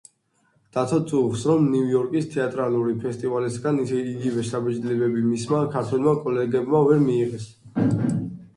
დათო წუხს, რომ ნიუ-იორკის თეატრალური ფესტივალისგან იგივე შთაბეჭდილებები მისმა ქართველმა კოლეგებმა ვერ მიიღეს.